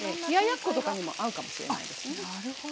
冷ややっことかにも合うかもしれないですね。